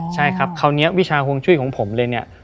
ใช่ครับเขาเนี้ยวิชาฮวงช่วยของผมเลยเนี่ย